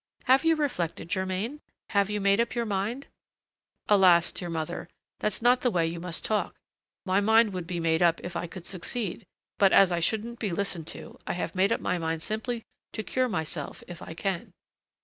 Have you reflected, Germain? have you made up your mind?" "Alas! my dear mother, that's not the way you must talk: my mind would be made up if I could succeed; but as I shouldn't be listened to, I have made up my mind simply to cure myself if I can."